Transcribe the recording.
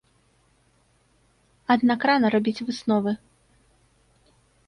Аднак рана рабіць высновы.